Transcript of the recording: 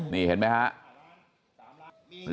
นี่เห็นไหมครับ